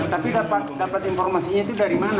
tapi dapat informasinya itu dari mana